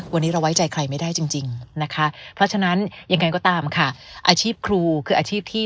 วันนี้เราไว้ใจใครไม่ได้จริงนะคะเพราะฉะนั้นยังไงก็ตามค่ะอาชีพครูคืออาชีพที่